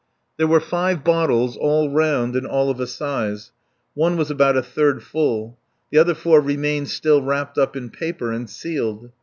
There were five bottles, all round and all of a size. One was about a third full. The other four remained still wrapped up in paper and sealed.